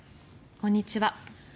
こんにちは。